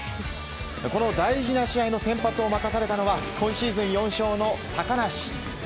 この大事な試合の先発を任されたのは今シーズン４勝の高梨。